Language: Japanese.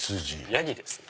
ヤギですね。